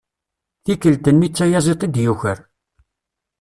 Tikkelt-nni d tayaẓiḍt i d-yuker.